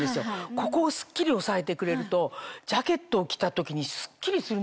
ここをスッキリおさえてくれるとジャケットを着た時にスッキリするんですよね。